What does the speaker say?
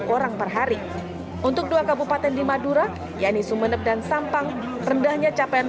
orang perhari untuk dua kabupaten di madura yani sumenep dan sampang rendahnya capaian